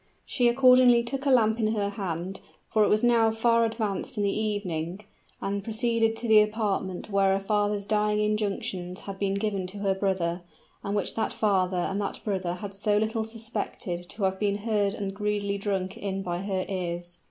She accordingly took a lamp in her hand, for it was now far advanced in the evening, and proceeded to the apartment where a father's dying injunctions had been given to her brother, and which that father and that brother had so little suspected to have been heard and greedily drunk in by her ears.